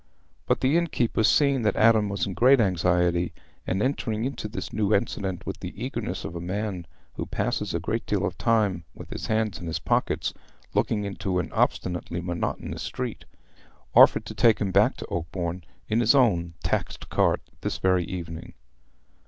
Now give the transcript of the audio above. But the innkeeper, seeing that Adam was in great anxiety, and entering into this new incident with the eagerness of a man who passes a great deal of time with his hands in his pockets looking into an obstinately monotonous street, offered to take him back to Oakbourne in his own "taxed cart" this very evening.